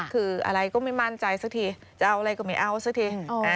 คืออะไรก็ไม่มั่นใจสักทีจะเอาอะไรก็ไม่เอาสักที